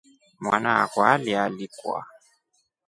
Mwana akwa alialikwa.